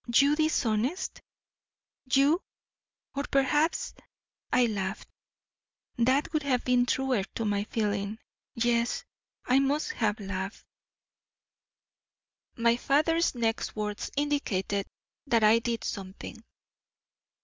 YOU dishonest? YOU Or perhaps I laughed; that would have been truer to my feeling; yes, I must have laughed. My father's next words indicated that I did something.